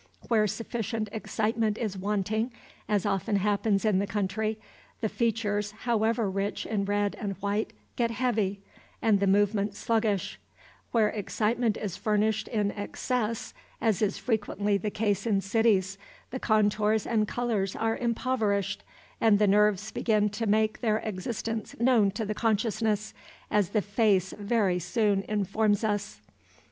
Where sufficient excitement is wanting, as often happens in the country, the features, however rich in red and white, get heavy, and the movements sluggish; where excitement is furnished in excess, as is frequently the case in cities, the contours and colors are impoverished, and the nerves begin to make their existence known to the consciousness, as the face very soon informs us.